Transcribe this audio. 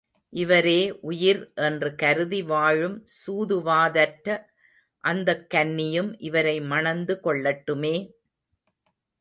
இவரே உயிர் என்று கருதி வாழும் சூதுவாதற்ற அந்தக் கன்னியும் இவரை மணந்து கொள்ளட்டுமே.